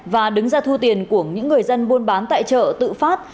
và đứng ra thu tiền của những người dân buôn bán tại chợ tự phát